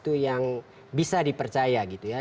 itu merupakan sesuatu yang bisa dipercaya gitu ya